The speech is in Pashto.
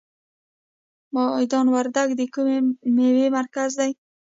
میدان وردګ د کومې میوې مرکز دی؟